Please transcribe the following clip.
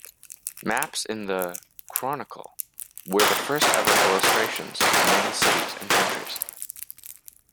Maps in the "Chronicle" were the first ever illustrations of many cities and countries.